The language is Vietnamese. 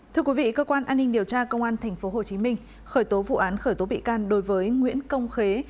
thưa quý vị cơ quan an ninh điều tra công an tp hcm khởi tố vụ án khởi tố bị can đối với nguyễn công khế